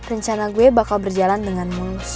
rencana gue bakal berjalan dengan mulus